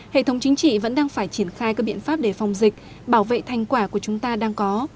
hệ thống chính trị vẫn đang phải triển khai các biện pháp để phòng dịch bảo vệ thành quả của chúng ta đang có